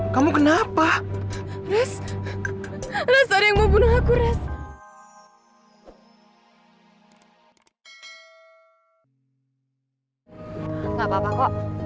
sampai ketemu lagi ya kak